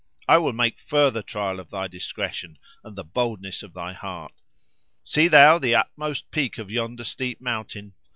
I will make further trial of thy discretion, and the boldness of thy heart. Seest thou the utmost peak of yonder steep mountain?